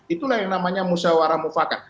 itulah yang namanya musyawarah mufakat